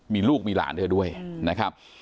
มีลูกมีหลานเธอด้วยนะครับ